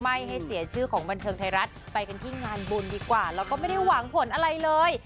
ไม่ให้เสียชื่อของบันเทิงไทยรัฐไปกันที่งานบุญดีกว่าแล้วก็ไม่ได้หวังผลอะไรเลย